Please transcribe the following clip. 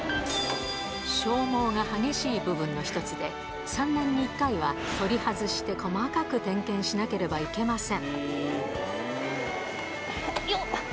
消耗が激しい部分の一つで、３年に１回は取り外して細かく点検しなければいけません。